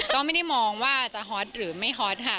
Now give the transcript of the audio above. ก็ไม่ได้มองว่าจะฮอตหรือไม่ฮอตค่ะ